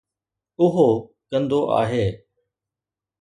اهو گندو آهي